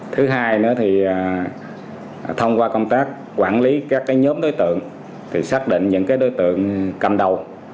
thứ hai nữa thì thông qua công tác quản lý các nhóm đối tượng thì xác định những đối tượng cầm đầu